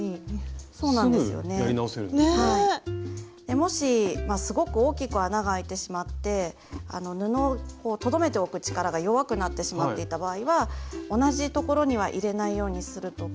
もしすごく大きく穴が開いてしまって布をとどめておく力が弱くなってしまっていた場合は同じところには入れないようにするとか。